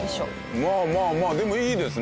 まあまあまあでもいいですね。